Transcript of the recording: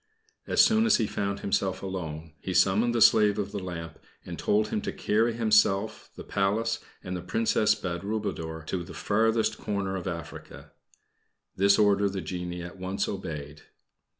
As soon as he found himself alone, he summoned the slave of the lamp, and told him to carry himself, the Palace, and the Princess Badroulboudour to the farthest corner of Africa. This order the genie at once obeyed.